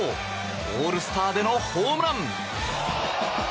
オールスターでのホームラン！